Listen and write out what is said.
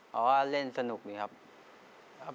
เพราะเล่นสุดท้าย